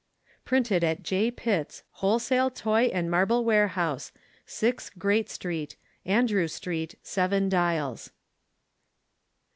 Printed at J. Pitts, Wholesale Toy and Marble Warehouse, 6, Great St. Andrew Street, Seven Dials.